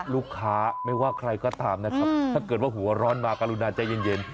ลูกค้าไม่ว่าใครก็ตามนะครับถ้าเกิดว่าหัวร้อนมากรุณาใจเย็น